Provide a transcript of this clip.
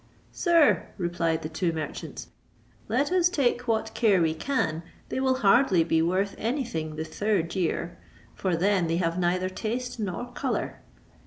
"Sir," replied the two merchants, "let us take what care we can, they will hardly be worth any thing the third year; for then they have neither taste nor colour."